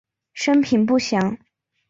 生平不详。